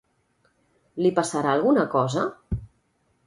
Li passarà alguna cosa?